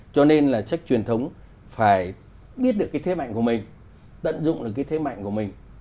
cho nên là sách truyền thống phải biết được cái thế mạnh của mình tận dụng được cái thế mạnh của mình